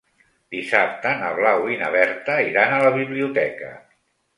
Dissabte na Blau i na Berta iran a la biblioteca.